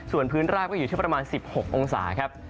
ส่วนพื้นราบก็อยู่ที่ประมาณ๑๖องศาครับ